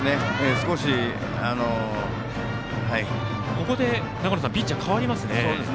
ここでピッチャー代わりますね。